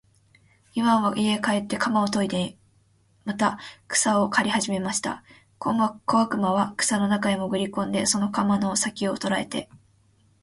イワンは家へ帰って鎌をといでまた草を刈りはじめました。小悪魔は草の中へもぐり込んで、その鎌の先きを捉えて、